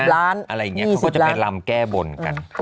อะไรอย่างนี้เขาก็จะไปลำแก้บนกัน